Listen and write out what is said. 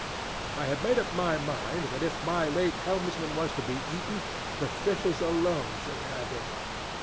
I had made up my mind that if my late helmsman was to be eaten, the fishes alone should have him.